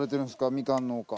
みかん農家。